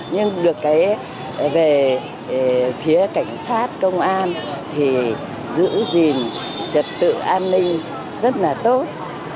nhưng được về phía cảnh sát công an thì giữ gìn trật tự an ninh rất là tốt